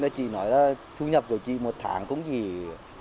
chị nói là thu nhập của chị một tháng cũng chỉ ba buổi tiệu thôi